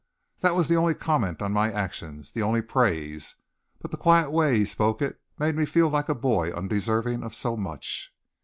That was the only comment on my actions, the only praise, but the quiet way he spoke it made me feel like a boy undeserving of so much.